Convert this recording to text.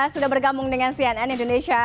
sudah bergabung dengan cnn indonesia